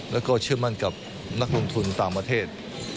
แล้วก็เชื่อมั่นกับนักลงทุนต่างประเทศ